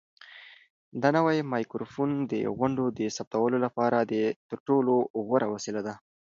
دا نوی مایکروفون د غونډو د ثبتولو لپاره تر ټولو غوره وسیله ده.